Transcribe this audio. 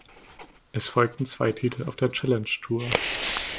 Es folgten zwei Titel auf der Challenge Tour.